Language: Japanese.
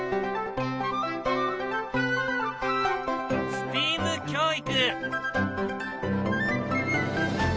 ＳＴＥＡＭ教育。